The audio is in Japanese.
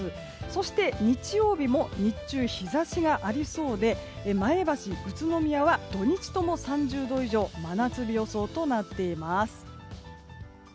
そして、日曜日も日中日差しがありそうで前橋、宇都宮は土日とも３０度以上真夏日予想となっています。